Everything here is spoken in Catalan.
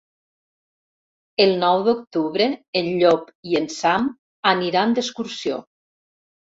El nou d'octubre en Llop i en Sam aniran d'excursió.